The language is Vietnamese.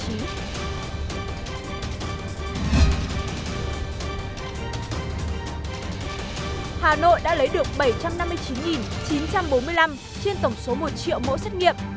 hà nội đã lấy được bảy trăm năm mươi chín chín trăm bốn mươi năm trên tổng số một triệu mẫu xét nghiệm